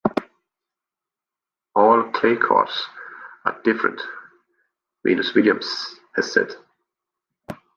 "All clay courts are different," Venus Williams has said.